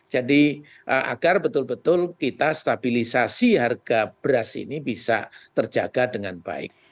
jadi agar betul betul kita stabilisasi harga beras ini bisa terjaga dengan baik